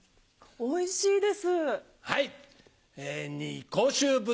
おいしいです！